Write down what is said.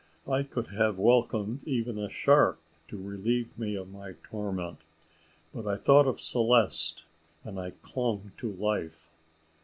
I could have welcomed even a shark to relieve me of my torment; but I thought of Celeste, and I clung to life.